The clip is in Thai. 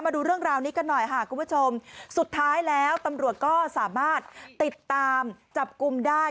มาดูเรื่องราวนี้กันหน่อยค่ะคุณผู้ชมสุดท้ายแล้วตำรวจก็สามารถติดตามจับกลุ่มได้